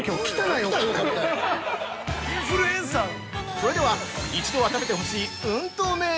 ◆それでは、一度は食べてほしい「うんとうめぇ」